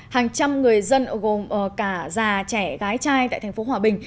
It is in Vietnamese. hàng trăm người dân gồm cả già trẻ gái trai tại thành phố hòa bình